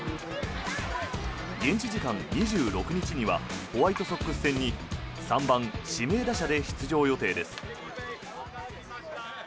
現地時間２６日にはホワイトソックス戦に３番指名打者で出場予定です。